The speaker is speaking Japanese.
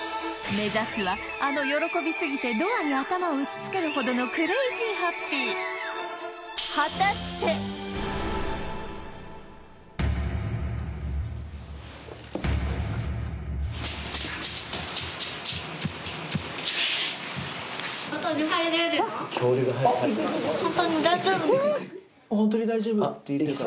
目指すはあの喜びすぎてドアに頭を打ちつけるほどのクレイジーハッピーよいしょ！